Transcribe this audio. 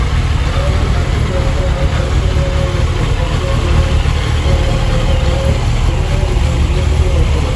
বাংলাদেশের নার্সিং ব্যবস্থাপনা ও সার্বিক উন্নয়নের লক্ষ্যে স্বাস্থ্য ও পরিবার কল্যাণ মন্ত্রণালয়ের অধীনে এটি গঠিত হয়েছিল।